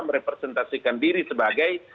merepresentasikan diri sebagai